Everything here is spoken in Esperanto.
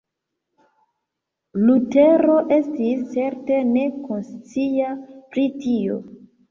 Lutero estis certe ne konscia pri tio.